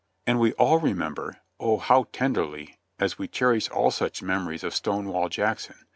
i\nd we all remember — oh, how tenderly, as we cherish all such memories of Stonewall Jackson